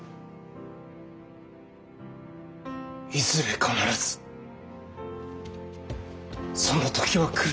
いずれ必ずその時は来る！